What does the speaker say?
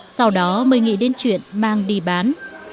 sau đó mới nghĩ đến chuyện mang đi bán